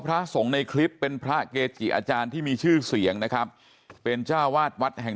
พระน่ะเป็นพระน่ะ